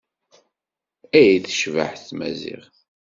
Ay tecbeḥ tmaziɣt!